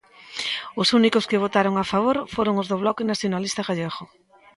Os únicos que votaron a favor foron os do Bloque Nacionalista Galego.